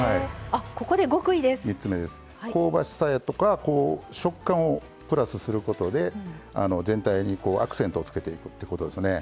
香ばしさとか食感をプラスすることで全体にアクセントをつけていくってことですね。